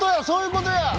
そういうことや！